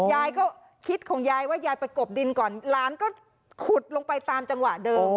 ยายก็คิดของยายว่ายายไปกบดินก่อนหลานก็ขุดลงไปตามจังหวะเดิม